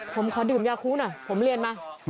ผมขอดื่มยาคู้หน่อยผมเรียนมา